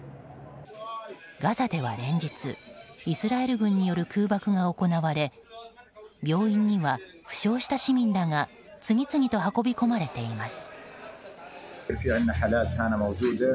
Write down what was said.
ガザでは連日イスラエル軍による空爆が行われ病院には負傷した市民らが次々と運び込まれています。